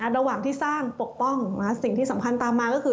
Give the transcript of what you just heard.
ระหว่างที่สร้างปกป้องสิ่งที่สำคัญตามมาก็คือ